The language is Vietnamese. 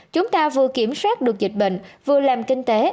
chúng ta vừa kiểm soát được dịch bệnh vừa làm kinh tế